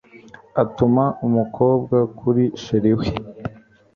atuma umukobwa kuri chr we